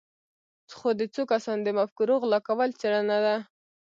خو د څو کسانو د مفکورو غلا کول څېړنه ده.